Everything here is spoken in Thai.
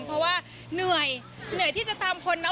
เพราะว่าเหนื่อยเหนื่อยที่จะตามคนเนาะ